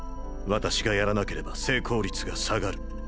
私がやらなければ成功率が下がる。